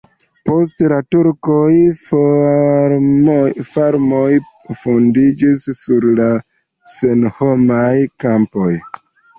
Post la turkoj farmoj fondiĝis sur la senhomaj kampoj.